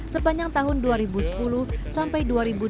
sepanjang tahun dua ribu sepuluh sampai dua ribu dua puluh